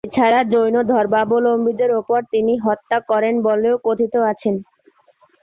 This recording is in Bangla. এছাড়া জৈন ধর্মাবলম্বীদের ওপর তিনি হত্যা করেন বলেও কথিত রয়েছে।